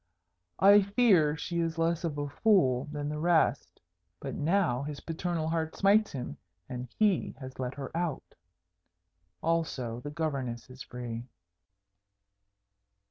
I fear she is less of a fool than the rest. But now his paternal heart smites him, and he has let her out. Also the Governess is free."